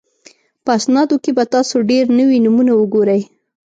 په اسنادو کې به تاسو ډېر نوي نومونه وګورئ